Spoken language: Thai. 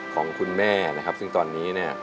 ของคุณแม่นะครับซึ่งตอนนี้เนี่ย